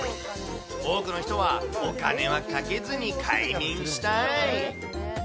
多くの人はお金はかけずに快眠したい。